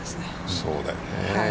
そうだよね。